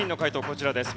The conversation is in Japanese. こちらです。